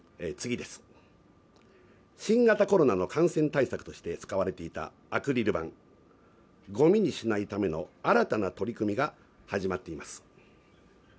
新型コロナの感染対策として使われていたアクリル板、ごみにしないための新たな取り組みが始まっています。